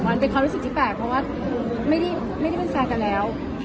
มันเป็นความรู้สึกที่แปลกเพราะว่าไม่ได้เป็นแฟนกันแล้ว